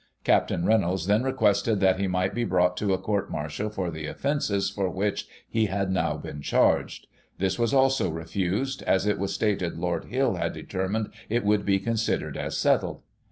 " Capt. Reynolds then requested that he might be brought to a court martial for the offences for which he had now been charged This was also refused, as it was stated Lord Hill had determined it should be considered as settled.